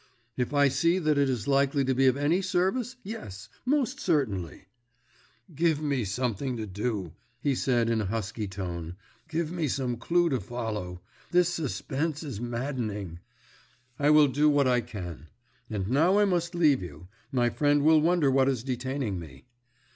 "If I see that it is likely to be of any service, yes, most certainly." "Give me something to do," he said in a husky tone, "give me some clue to follow. This suspense is maddening." "I will do what I can. And now I must leave you. My friend will wonder what is detaining me."